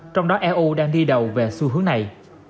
trong đó eu đang đi đầu về xu hướng này